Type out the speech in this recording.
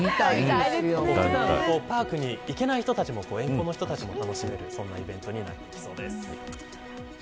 パークに行けない人たちも遠方の人たちも楽しめるイベントになってきそうです。